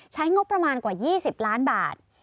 ใช้งบประมาณกว่า๒๐ล้านบาท